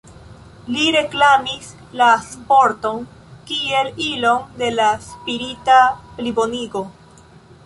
Li reklamis la sporton kiel ilon de la spirita plibonigo.